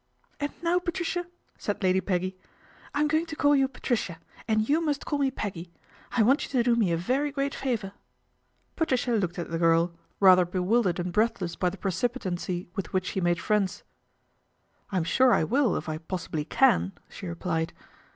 " And now, Patricia," said Lady Peggy, " I'm going to call you Patricia, and you must call me Peggy I want you to do me a very great favour." Patricia looked at the girl, rather bewildered 248 PATRICIA BRENT, SPINSTER and breathless by the precipitancy with which she made friends. " I'm sure I will if I possibly can," she replied.